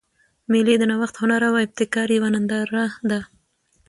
مېلې د نوښت، هنر او ابتکار یوه ننداره ده.